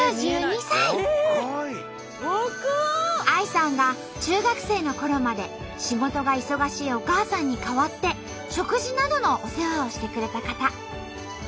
ＡＩさんが中学生のころまで仕事が忙しいお母さんに代わって食事などのお世話をしてくれた方。